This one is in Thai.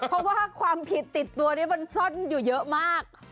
เพราะว่าความผิดติดตัวนี้มันซ่อนอยู่เยอะมาก